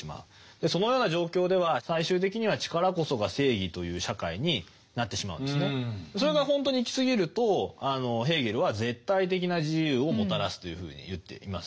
そのような状況では最終的にはそれがほんとに行きすぎるとヘーゲルは絶対的な自由をもたらすというふうに言っています。